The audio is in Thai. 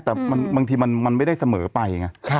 แต่บางทีมันไม่ได้เสมอไปไง